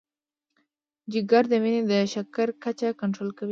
جگر د وینې د شکر کچه کنټرول کوي.